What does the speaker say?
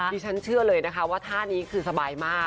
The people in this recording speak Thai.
ดิฉันเชื่อเลยนะคะว่าท่านี้คือสบายมาก